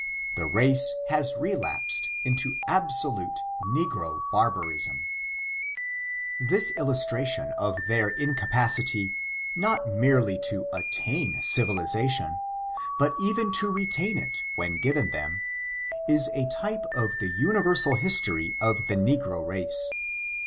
The race has relapaed into abaolote ntgro harbetriam, Thia illnatratkm of their incapacity* not merely to attain civfUaatinn, bat even to retain it when given them* ia a type of the nniveml hiatoiy of the negro race.